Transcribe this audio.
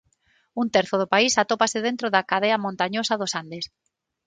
Un terzo do país atópase dentro da cadea montañosa dos Andes.